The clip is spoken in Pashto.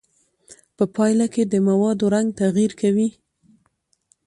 په پایله کې د موادو رنګ تغیر کوي.